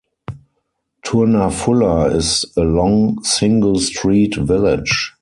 Tournafulla is a long single-street village.